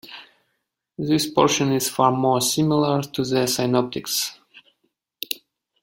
This portion is far more similar to the synoptics.